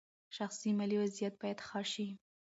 شخصي مالي وضعیت باید ښه شي.